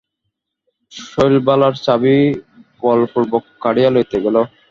শৈলবালার চাবি বলপূর্বক কাড়িয়া লইতে গেল।